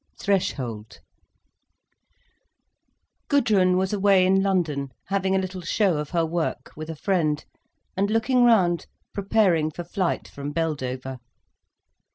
THRESHOLD Gudrun was away in London, having a little show of her work, with a friend, and looking round, preparing for flight from Beldover.